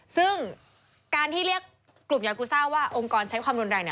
ซึ่งการที่เรียกกลุ่มยากูซ่าว่าองค์กรใช้ความรุนแรง